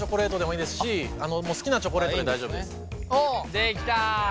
できた。